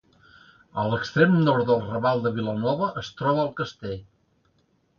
A l'extrem nord del raval de Vilanova es troba el castell.